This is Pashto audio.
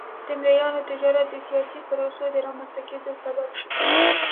د مریانو تجارت د سیاسي پروسو د رامنځته کېدو سبب شو.